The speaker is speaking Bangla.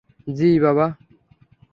জি, বাবা!